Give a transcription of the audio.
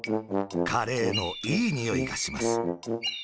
カレーのいいにおいがします。